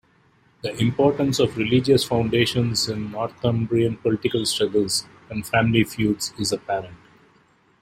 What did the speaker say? The importance of religious foundations in Northumbrian political struggles and family feuds is apparent.